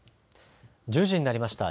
１０時になりました。